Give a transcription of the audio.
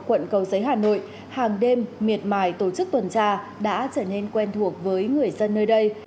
quận cầu giấy hà nội hàng đêm miệt mài tổ chức tuần tra đã trở nên quen thuộc với người dân nơi đây